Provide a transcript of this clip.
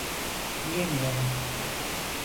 Yiyemiyorum.